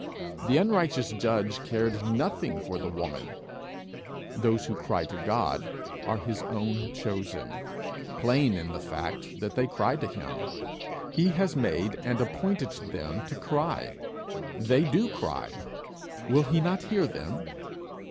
The unrighteous judge cared nothing for the woman; those who cry to God are his own chosen plain in the fact that they cry to him. He has made and appointed them to cry: they do cry: will he not hear them?